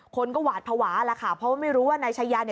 คนก็หวาดภาวะแหละค่ะเพราะว่าไม่รู้ว่านายชัยยา